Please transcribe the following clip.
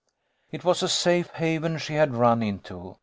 " It was a safe haven she had run into.